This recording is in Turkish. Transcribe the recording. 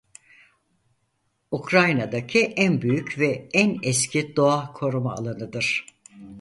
Ukrayna'daki en büyük ve en eski doğa koruma alanıdır.